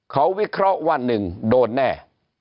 เขาวิเคราะห์ว่าหนึ่งโดดแน่